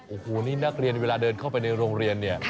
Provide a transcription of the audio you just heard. โอ้โหนี่นักเรียนเวลาเดินเข้าไปในโรงเรียนเนี่ย